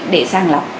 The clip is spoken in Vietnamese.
để sàng lọc